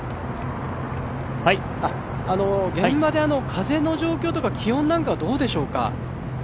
現場で風の状況とか気温なんかはどうでしょうか？